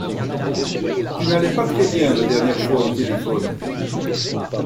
Tu n'allais pas très bien la dernière fois au téléphone.